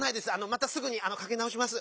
またすぐにかけなおします。